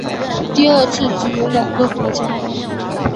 第二次只有两个国家。